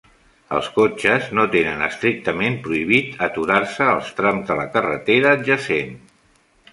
Els cotxes no tenen estrictament prohibit aturar-se als trams de la carretera adjacent.